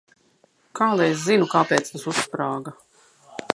Kā lai es zinu, kāpēc tas uzsprāga?